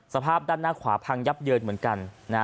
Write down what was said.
สภาพด้านหน้าขวาพังยับเยินเหมือนกัน